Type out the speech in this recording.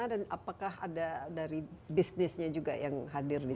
dan apakah ada dari bisnisnya juga yang hadir di sini